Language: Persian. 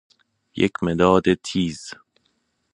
یک مداد تیز